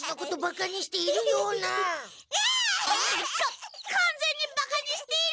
かんぜんにバカにしている！